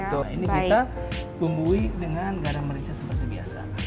betul ini kita bumbui dengan garam merica seperti biasa